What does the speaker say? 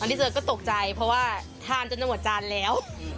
ที่เจอก็ตกใจเพราะว่าทานจนจะหมดจานแล้ว